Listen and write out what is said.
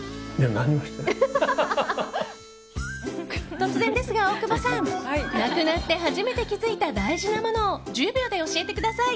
突然ですが、大久保さん！なくなって初めて気づいた大事なものを１０秒で教えてください。